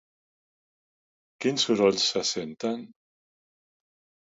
Quins sorolls se senten?